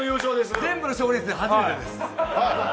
全部の賞レースで初めてです。